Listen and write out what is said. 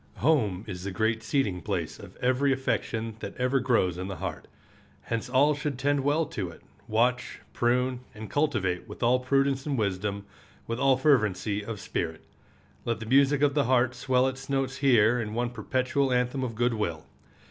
Home is the great seeding place of every affection that ever grows in the heart. Hence all should tend well to it, watch, prune, and cultivate with all prudence and wisdom, with all fervency of spirit. Let the music of the heart swell its notes here in one perpetual anthem of good will.